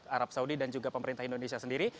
arab saudi dan juga pemerintah indonesia sendiri